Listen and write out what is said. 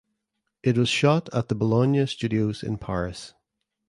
It was shot at the Boulogne Studios in Paris.